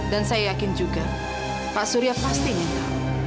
dan saya yakin juga pak surya pasti ingin tahu